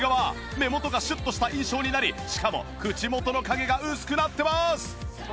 目元がシュッとした印象になりしかも口元の影が薄くなってます！